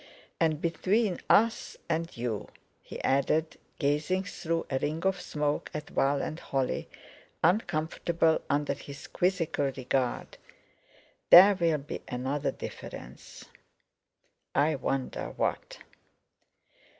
And between us and you," he added, gazing through a ring of smoke at Val and Holly, uncomfortable under his quizzical regard, "there'll be—another difference. I wonder what."